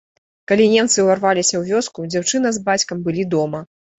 Калі немцы ўварваліся ў вёску, дзяўчына з бацькам былі дома.